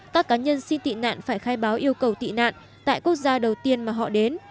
các cá nhân xin tị nạn phải khai báo yêu cầu tị nạn tại quốc gia đầu tiên mà họ đến